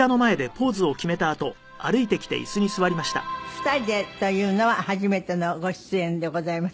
２人でというのは初めてのご出演でございます。